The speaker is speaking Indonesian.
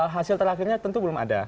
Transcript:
hasil terakhirnya tentu belum ada